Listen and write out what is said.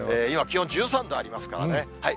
今、気温１３度ありますからね。